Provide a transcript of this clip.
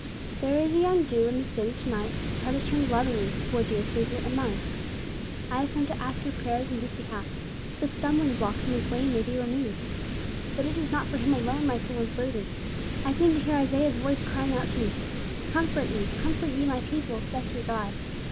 "There is a young Jew in this city to night whose heart is turning lovingly towards your Savior and mine. I have come to ask your prayers in his behalf, that the stumbling blocks in his way may be removed. But it is not for him alone my soul is burdened. I seem to hear Isaiah's voice crying out to me, 'Comfort ye, comfort ye my people, saith your God.